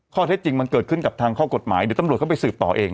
ข้อเท็จจริงมันเกิดขึ้นกับทางข้อกฎหมายเดี๋ยวตำรวจเข้าไปสืบต่อเอง